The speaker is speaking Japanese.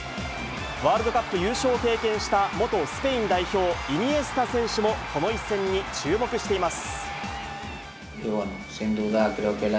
ワールドカップ優勝を経験した元スペイン代表、イニエスタ選手もこの一戦に注目しています。